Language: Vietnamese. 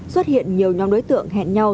xuất hiện nhiều nhóm đối tượng hẹn nhau